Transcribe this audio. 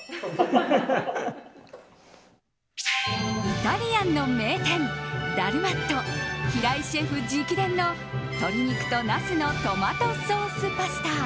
イタリアンの名店ダルマット平井シェフ直伝の鶏肉とナスのトマトソースパスタ